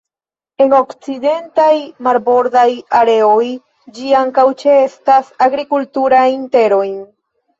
En okcidentaj marbordaj areoj, ĝi ankaŭ ĉeestas agrikulturajn terojn.